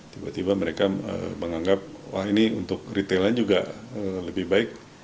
tiba tiba mereka menganggap wah ini untuk retailnya juga lebih baik